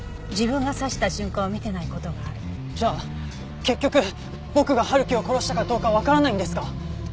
じゃあ結局僕が春樹を殺したかどうかわからないんですか？